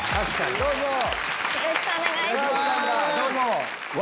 よろしくお願いします。